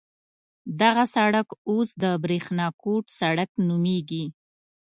دغه سړک اوس د برېښنا کوټ سړک نومېږي.